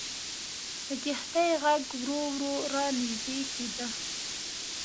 د کښتۍ ږغ ورو ورو را نژدې کېده.